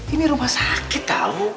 ini rumah sakit tau